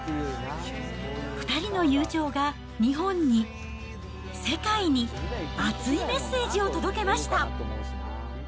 ２人の友情が日本に、世界に、熱いメッセージを届けました。